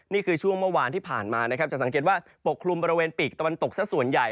นี่คือช่วงเมื่อวานที่ผ่านมานะครับจะสังเกตว่าปกคลุมบริเวณปีกตะวันตกสักส่วนใหญ่